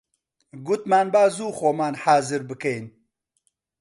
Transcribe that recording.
گوتمان با زوو خۆمان حازر بکەین